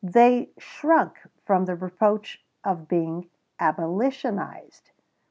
They shrunk from the reproach of being "abolitionized."